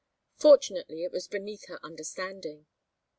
Fortunately it was beneath her understanding.